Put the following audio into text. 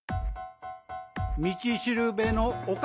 みちしるべのおか？